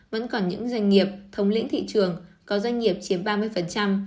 vẫn còn những doanh nghiệp thống lĩnh thị trường có doanh nghiệp chiếm ba mươi